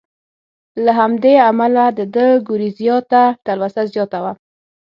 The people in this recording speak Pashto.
له همدې امله د ده ګورېزیا ته تلوسه زیاته وه.